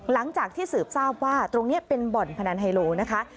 หลังจากที่สืบทราบว่าตรงนี้เป็นบ่อนพนันไฮโลนะคะ